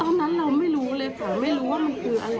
ตอนนั้นเราไม่รู้เลยค่ะไม่รู้ว่ามันคืออะไร